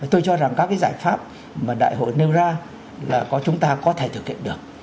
tôi cho rằng các giải pháp mà đại hội nêu ra là có chúng ta có thể thực hiện được